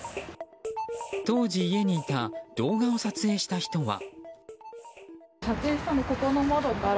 当時家にいた動画を撮影した人は。